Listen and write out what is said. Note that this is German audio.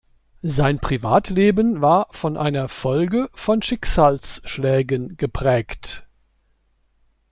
Sein Privatleben war von einer Folge von Schicksalsschlägen geprägt.